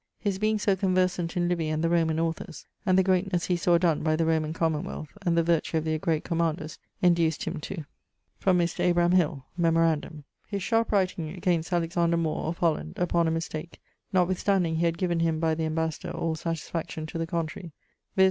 His being so conversant in Livy and the Roman authors, and the greatness he saw donne by the Roman common wealth, and the vertue of their great commanders induc't him to.] From Mr. Abraham Hill: Memorandum: his sharp writing against Alexander More, of Holland, upon a mistake, notwithstanding he had given him by the ambassador[XXIV.] all satisfaction to the contrary: viz.